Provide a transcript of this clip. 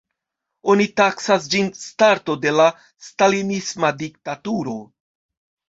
Oni taksas ĝin starto de la stalinisma diktaturo.